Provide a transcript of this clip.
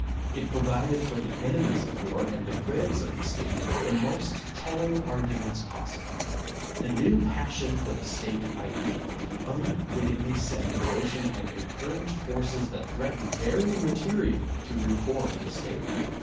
It provided for the enemies of war and the critics of the State the most telling argu ments possible. The new passion for the State ideal unwittingly set in motion and encouraged forces that threaten very materially to reform the State.